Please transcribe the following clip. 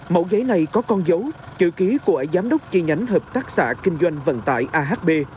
mẫu giấy này có con dấu chữ ký của giám đốc chi nhánh hợp tác xã kinh doanh vận tải ahb